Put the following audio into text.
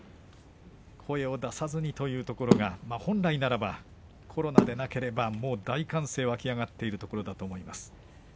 声を出さずにというところが本来ならばコロナでなければ大歓声が沸き上がっているところだと思います。